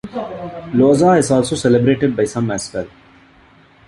Losar is also celebrated by some as well.